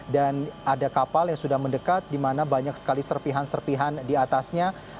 dan ada kapal yang sudah mendekat di mana banyak sekali serpihan serpihan di atasnya